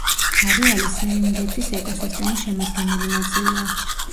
არეალი სერენგეტის ეკოსისტემის შემადგენელი ნაწილია.